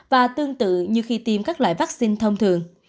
và tương tự như khi tiêm các loại vaccine thông thường